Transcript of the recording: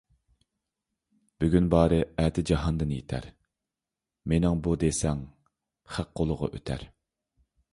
بۈگۈن بارى ئەتە جاھاندىن يىتەر، «مېنىڭ بۇ» دېسەڭ خەق قولىغا ئۆتەر.